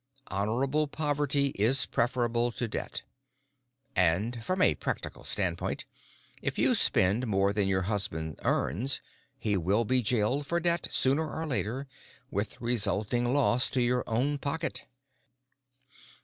Honorable poverty is preferable to debt. And, from a practical standpoint, if you spend more than your husband earns he will be jailed for debt sooner or later, with resulting loss to your own pocket.